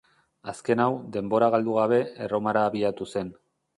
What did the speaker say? Azken hau, denbora galdu gabe, Erromara abiatu zen.